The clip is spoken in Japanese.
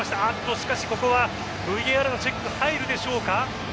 しかしここはＶＡＲのチェックが入るでしょうか。